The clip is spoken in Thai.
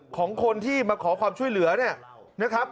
ของคนที่มาขอความช่วยเหลือเนี่ยนะครับ